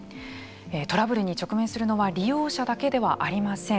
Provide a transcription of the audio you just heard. トラブルに直面するのは利用者だけではありません。